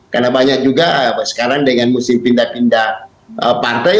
karena banyak juga sekarang dengan musim pindah pindah partai